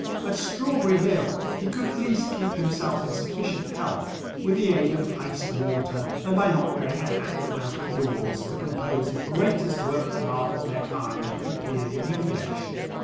At Strawberry Hill he could at least keep himself in sufficient health with the aid of iced water and by not wearing a hat when out of doors to compose the greatest works of art of their kind that have appeared in English.